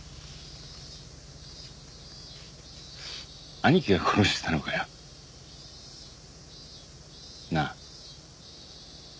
兄貴が殺してたのかよ。なあ。